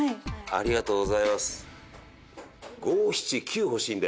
ありがとうございます。